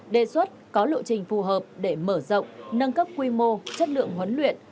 đề xuất có lộ trình phù hợp để mở rộng nâng cấp quy mô chất lượng huấn luyện